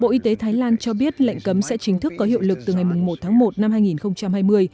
bộ y tế thái lan cho biết lệnh cấm sẽ chính thức có hiệu lực từ ngày một tháng một năm hai nghìn hai mươi